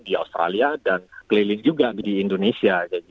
di australia dan keliling juga di indonesia